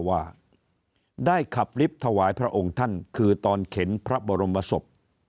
ว่าได้ขับลิฟต์ถวายพระองค์ท่านคือตอนเข็นพระบรมศพ